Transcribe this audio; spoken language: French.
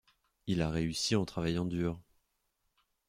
Il a réussi en travaillant dur.